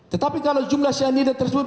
tetapi kalau jumlah cyanida tersebut